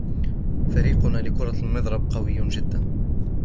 فريقنا لكرة المضرب قوي جدا.